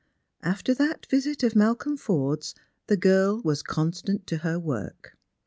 After that visit of Malcolm Forde'G the girl was constant to her work.